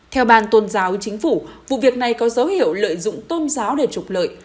theo ban tôn giáo chính phủ vụ việc này có dấu hiệu lợi dụng tôn giáo để trục lợi